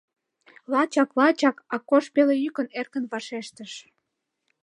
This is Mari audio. — Лачак, лачак, — Акош пелейӱкын, эркын вашештыш.